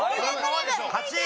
８位！